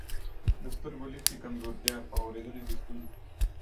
د سترګو لید کې کمزورتیا، په اورېدنه کې ستونزه،